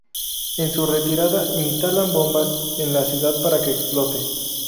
En su retirada instalan bombas en la ciudad para que explote.